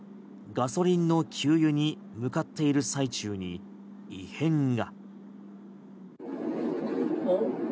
ガソリンの給油に向かっている最中に異変が。